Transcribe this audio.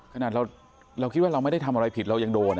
ขนาดเราคิดว่าเราไม่ได้ทำอะไรผิดเรายังโดน